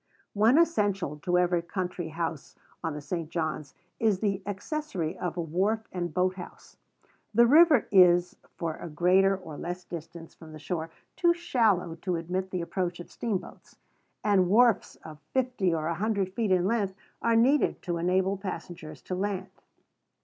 One essential to every country house on the St. John's is this accessory of a wharf and boathouse. The river is, for a greater or less distance from the shore, too shallow to admit the approach of steamboats; and wharves of fifty or a hundred feet in length are needed to enable passengers to land.